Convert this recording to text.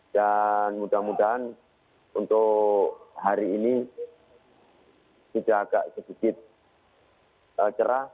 dan mudah mudahan untuk hari ini sudah agak sedikit cerah